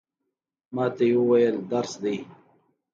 ما ته یې وویل، درس دی.